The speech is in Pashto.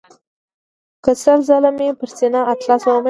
که سل ځله مې پر سینه اطلس ومیښ.